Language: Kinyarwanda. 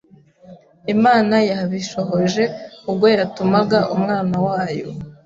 Imana yabishohoje ubwo yatumaga Umwana wayo